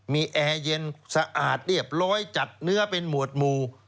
มีแอร์เย็นสะอาดเรียบร้อยจัดเนื้อเป็นหมวดหมู่